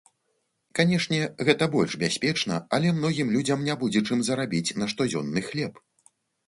Канешне, гэта больш бяспечна, але многім людзям не будзе, чым зарабіць на штодзённы хлеб.